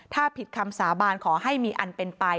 ถ้าผิดคำสาบานขอให้มีอันเป็นไป